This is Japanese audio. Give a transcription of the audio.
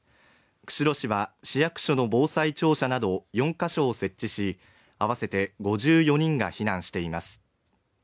釧路市場市役所の防災庁舎など４ヶ所を設置し、合わせて５４人が避難しています。